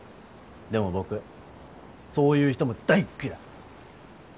でも僕そういう人も大っ嫌い！